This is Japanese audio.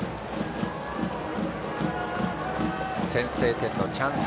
先制点のチャンス